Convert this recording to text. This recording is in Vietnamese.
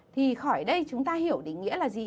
thì khỏi đây chúng ta hiểu định nghĩa là gì